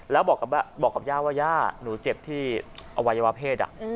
แล้วบอกกับย่าว่าย่าหนูเจ็บที่อวัยวะเพศ